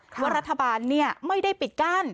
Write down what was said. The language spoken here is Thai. ว่ารัฐบาลไม่ได้ปิดกั้น